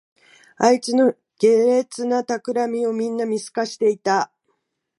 あいつの卑劣なたくらみをみんな見透かしていた